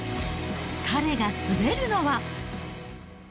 彼が滑るのは。